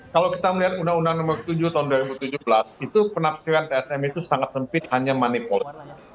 kalau kita melihat undang undang nomor tujuh tahun dua ribu tujuh belas itu penafsiran tsm itu sangat sempit hanya money polic